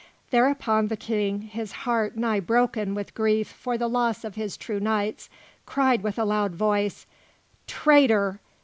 Thereupon the King, his heart nigh broken with grief for the loss of his true knights, cried with a loud voice, "Traitor!